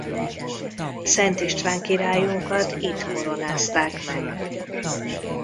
Szent István királyunkat itt koronázták meg.